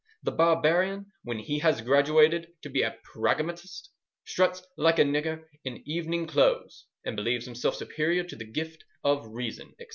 The Barbarian, when he has graduated to be a "pragmatist," struts like a nigger in evening clothes, and believes himself superior to the gift of reason, etc.